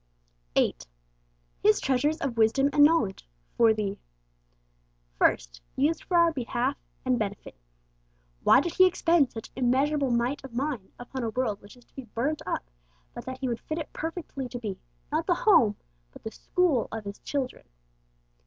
8. His 'treasures of wisdom and knowledge' 'for thee.' First, used for our behalf and benefit. Why did He expend such immeasurable might of mind upon a world which is to be burnt up, but that He would fit it perfectly to be, not the home, but the school of His children?